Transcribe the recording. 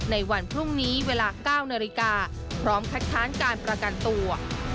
ในวันพรุ่งนี้เวลา๙นาฬิกาพร้อมคัดค้านการประกันตัว